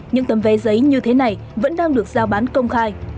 những tấm vé giấy như thế này vẫn đang được giao bán công khai